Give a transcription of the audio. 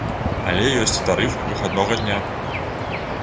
Але ёсць і тарыф выхаднога дня.